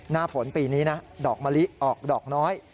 หน้าฝนปีนี้นะดอกมะลิออกดอกน้อย